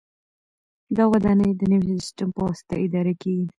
دا ودانۍ د نوي سیسټم په واسطه اداره کیږي.